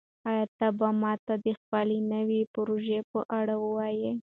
آیا ته به ماته د خپلې نوې پروژې په اړه ووایې؟